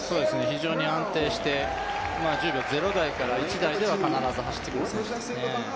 非常に安定して１０秒０台から１台では必ず走ってくる選手ですね。